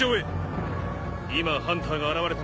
今ハンターが現れたら全滅だ。